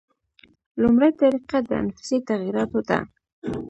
لومړۍ طریقه د انفسي تغییراتو ده.